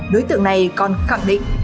đối tượng này còn khẳng định